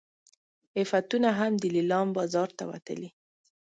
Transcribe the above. عفتونه هم د لیلام بازار ته وتلي.